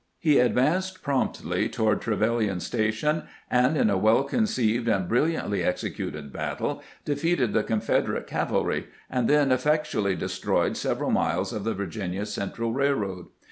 He advanced promptly toward Trevilian's Station, and in a well conceived and brilliantly executed battle defeated the Confederate cav alry, and then effectually destroyed several miles of the Virginia Central Railroad.